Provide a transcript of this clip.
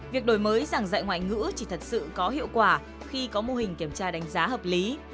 việc đổi mới giảng dạy ngoại ngữ chỉ thật sự có hiệu quả khi có mô hình kiểm tra đánh giá hợp lý